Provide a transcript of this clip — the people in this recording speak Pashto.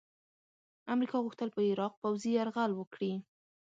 امریکا غوښتل په عراق پوځي یرغل وکړي.